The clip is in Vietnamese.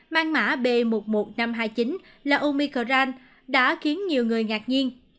mang mã b một một năm trăm hai mươi chín là omicron đã khiến nhiều người ngạc nhiên